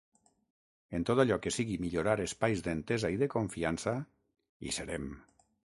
En tot allò que sigui millorar espais d’entesa i de confiança, hi serem.